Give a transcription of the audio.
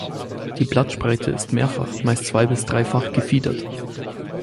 Die Blattspreite ist mehrfach, meist zwei- bis dreifach gefiedert.